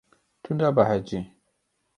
Tu nabehecî.